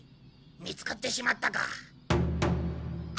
見つかってしまったか。